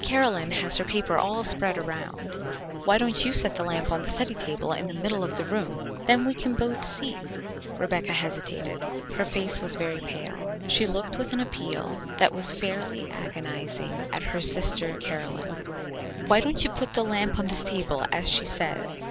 Caroline has her paper all spread around. Why don't you set the lamp on the study table in the middle of the room, then we can both see?" Rebecca hesitated. Her face was very pale. She looked with an appeal that was fairly agonizing at her sister Caroline. "Why don't you put the lamp on this table, as she says?"